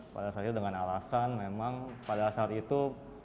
pada saat itu dengan alasan memang pada saat itu